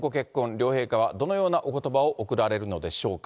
両陛下はどのようなおことばを送られるのでしょうか。